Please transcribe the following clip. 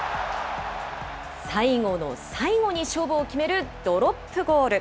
最後の最後に勝負を決めるドロップゴール。